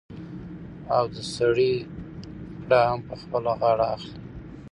او د سړي پړه هم په خپله غاړه اخلي.